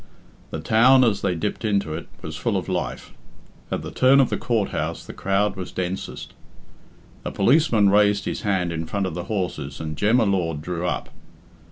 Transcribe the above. The town, as they dipped into it, was full of life. At the turn of the Court house the crowd was densest. A policeman raised his hand in front of the horses and Jem y Lord drew up.